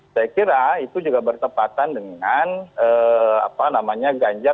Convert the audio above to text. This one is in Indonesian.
saya kira itu juga bertepatan dengan ganjar